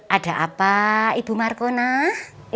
ada apa ibu marko nah